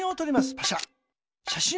パシャ。